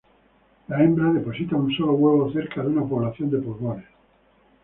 La hembra deposita un solo huevo cerca de una población de pulgones.